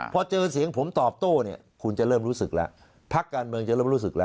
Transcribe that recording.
พอเจอเสียงผมตอบโต้เนี่ยคุณจะเริ่มรู้สึกแล้วพักการเมืองจะเริ่มรู้สึกแล้ว